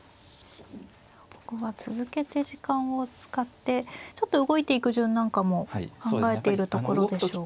ここは続けて時間を使ってちょっと動いていく順なんかも考えているところでしょうか。